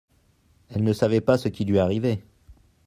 elle ne savait pas ce qui lui arrivait.